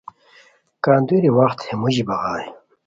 کندوری وخت ہے موژی بغائے